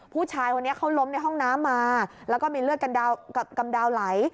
ผู้ชายคนนี้เขาล้มในห้องน้ำมาแล้วก็มีเลือดกำดาวไหล